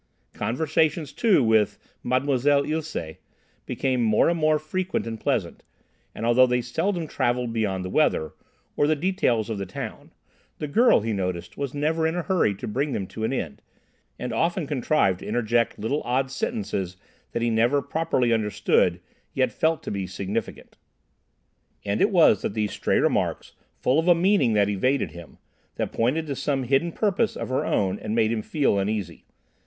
Conversations, too, with "Mademoiselle Ilsé" became more and more frequent and pleasant, and although they seldom travelled beyond the weather, or the details of the town, the girl, he noticed, was never in a hurry to bring them to an end, and often contrived to interject little odd sentences that he never properly understood, yet felt to be significant. And it was these stray remarks, full of a meaning that evaded him, that pointed to some hidden purpose of her own and made him feel uneasy.